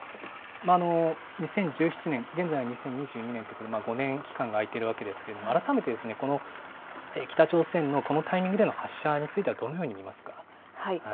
２０１７年、現在は２０２２年ということで、５年、期間が空いているわけですけれども、改めてこの北朝鮮のこのタイミングでの発射についてはどのように見ますか？